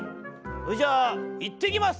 それじゃあいってきます！」。